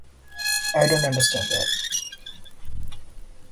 I don't understand that